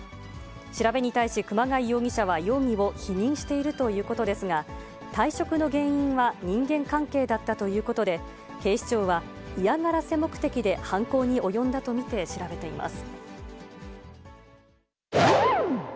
調べに対し熊谷容疑者は、容疑を否認しているということですが、退職の原因は人間関係だったということで、警視庁は嫌がらせ目的で犯行に及んだと見て調べています。